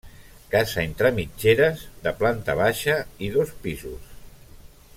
Casa entre mitgeres, de planta baixa i dos pisos.